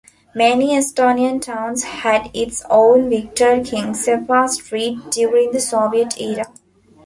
Many Estonian towns had its own Viktor Kingissepa Street during the Soviet era.